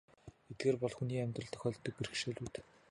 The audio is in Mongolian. Эдгээр бол хүний амьдралд тохиолддог л бэрхшээлүүд.